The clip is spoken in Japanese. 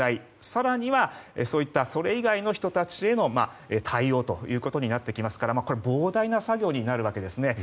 更には、そういったそれ以外の人たちへの対応ということになってきますから膨大な作業になるわけです。